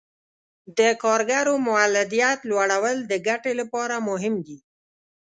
د کارګرو مولدیت لوړول د ګټې لپاره مهم دي.